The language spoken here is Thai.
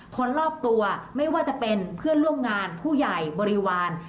คนรอบตัวไม่ว่าจะเป็นเพื่อนร่วมงานผู้ใหญ่บริวาร